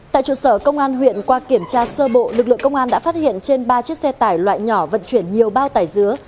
tại trụ sở công an huyện qua kiểm tra sơ bộ lực lượng công an đã phát hiện trên ba chiếc xe tải loại nhỏ vận chuyển nhiều bao tải dứa